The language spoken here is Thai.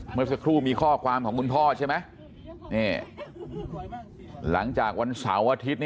เมื่อสักครู่มีข้อความของคุณพ่อใช่ไหมนี่หลังจากวันเสาร์อาทิตย์